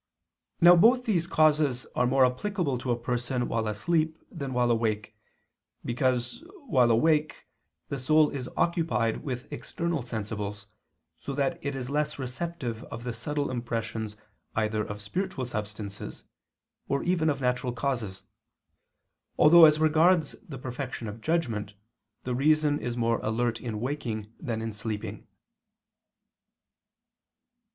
Now both these causes are more applicable to a person while asleep than while awake, because, while awake, the soul is occupied with external sensibles, so that it is less receptive of the subtle impressions either of spiritual substances, or even of natural causes; although as regards the perfection of judgment, the reason is more alert in waking than in sleeping.